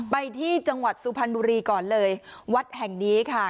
ไปที่จังหวัดสุพรรณบุรีก่อนเลยวัดแห่งนี้ค่ะ